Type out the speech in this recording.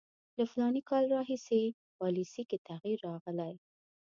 له فلاني کال راهیسې پالیسي کې تغییر راغلی.